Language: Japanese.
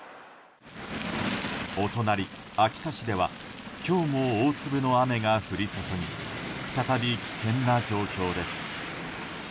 お隣、秋田市では今日も大粒の雨が降り注ぎ再び危険な状況です。